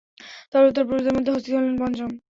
তার উত্তর পুরুষদের মধ্যে হস্তী হলেন পঞ্চম।